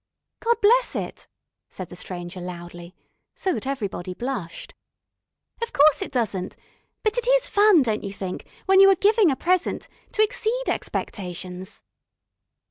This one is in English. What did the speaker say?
"God bless it," said the Stranger loudly, so that everybody blushed. "Of course it doesn't. But it is fun, don't you think, when you are giving a present, to exceed expectations?"